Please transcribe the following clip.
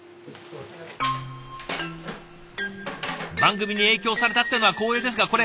番組に影響されたっていうのは光栄ですがこれ。